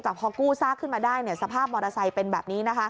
แต่พอกู้ซากขึ้นมาได้สภาพมอเตอร์ไซค์เป็นแบบนี้